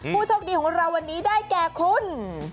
ผู้โชคดีของเราวันนี้ได้แก่คุณ